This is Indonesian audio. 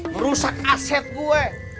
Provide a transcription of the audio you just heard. merusak aset gue